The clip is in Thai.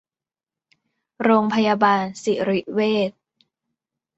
โรงพยาบาลสิริเวช